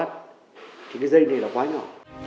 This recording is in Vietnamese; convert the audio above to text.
thì cái dây này là quá nhỏ